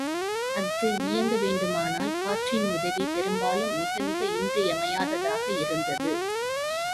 அஃது இயங்க வேண்டுமனால், காற்றின் உதவி பெரும்பாலும் மிக மிக இன்றிமையாததாக இருந்தது.